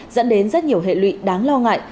dẫn đến rất nhiều hệ lụy đáng lo ngại